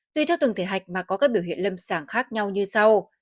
tùy theo từng thể hạch mà có các biểu hiện lâm sàng khác nhau như sau